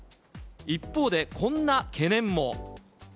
一方で、こんな懸念も。